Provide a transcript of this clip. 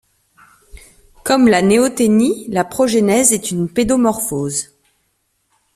Comme la néoténie, la progenèse est une pédomorphose.